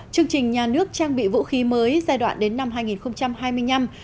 chương trình nhà nước trang bị vũ khí mới giai đoạn đến năm hai nghìn hai mươi năm